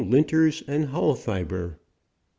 LINTERS.AND.HULL FIBER.."